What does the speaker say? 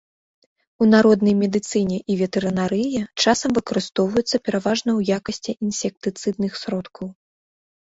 У народнай медыцыне і ветэрынарыі часам выкарыстоўваюцца пераважна ў якасці інсектыцыдных сродкаў.